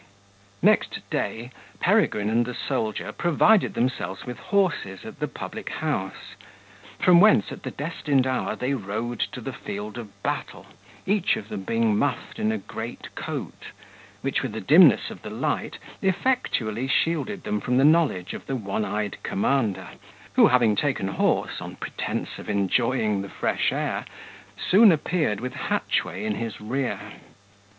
Next day Peregrine and the soldier provided themselves with horses at the public house, from whence, at the destined hour, they rode to the field of battle, each of them being muffed in a great coat, which, with the dimness of the light, effectually shielded them from the knowledge of the one eyed commander, who, having taken horse, on pretence of enjoying the fresh air, soon appeared with Hatchway in his rear.